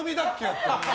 って。